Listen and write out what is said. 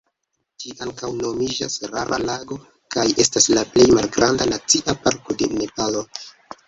Ĝi ankaŭ nomiĝas Rara Lago, kaj estas la plej malgranda nacia parko de Nepalo.